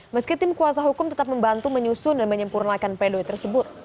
meski tim kuasa hukum tetap membantu menyusun dan menyempurnakan pledoi tersebut